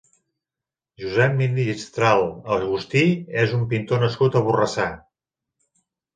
Josep Ministral Agustí és un pintor nascut a Borrassà.